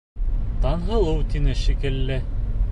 Таңһылыу тине шикелле...